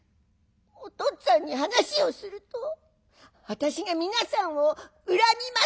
おとっつぁんに話をすると私が皆さんを恨みますよ！」。